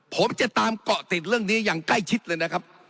ผมจะตามเกาะติดเรื่องนี้อย่างใกล้ชิดเลยนะครับ